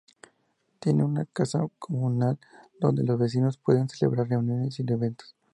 Tiene una casa comunal donde los vecinos pueden celebrar reuniones y eventos.